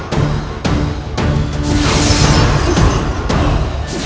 tangan aku bebaskan